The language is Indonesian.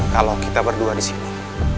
kalau kita berdua disini